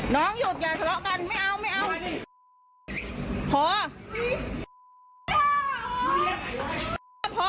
น้องหยุดอย่าสะเลาะกันไม่เอาไม่เอา